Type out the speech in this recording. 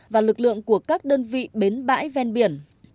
và lực lượng của các đơn vị bến bãi ven biển